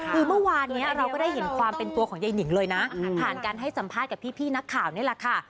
คือเมื่อวานนี้เราก็ได้เห็นความเป็นตัวของยายนิงเลยนะผ่านการให้สัมภาษณ์กับพี่นักข่าวนี่แหละค่ะ